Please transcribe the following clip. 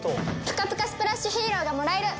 プカプカスプラッシュヒーローがもらえる！